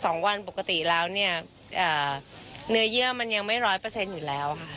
สองวันปกติแล้วเนี่ยเนื้อเยื่อมันยังไม่ร้อยเปอร์เซ็นต์อยู่แล้วค่ะ